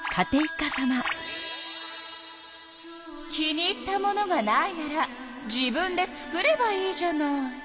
気に入ったものがないなら自分で作ればいいじゃない。